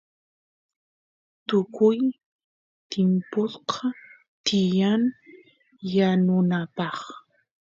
tukuy timpusqa tiyan yanunapaq